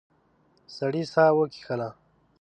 سړی ساه وکیښله.